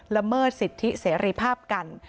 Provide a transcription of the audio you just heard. ละเมิดสิทธิเสรีภาพกัน